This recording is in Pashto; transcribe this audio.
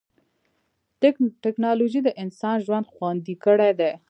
ټکنالوجي د انسان ژوند خوندي کړی دی.